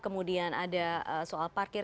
kemudian ada soal parkir